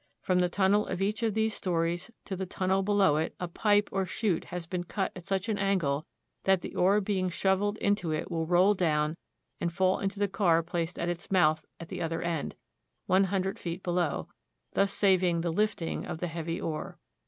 From the tunnel of each of these stories to the tunnel below it a pipe, or chute, has been cut at such an angle that the ore being shoveled into it will roll down and fall into the car placed at its mouth at the other end, one hundred feet below, thus saving the lifting of the heavy ore.